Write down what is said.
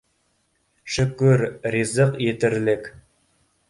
Шөкөр, ризыҡ етерлек.